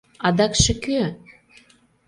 Адакше кӧ?..